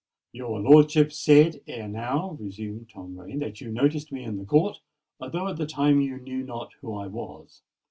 "Your lordship said ere now," resumed Tom Rain, "that you noticed me in the court, although at the time you knew not who I was.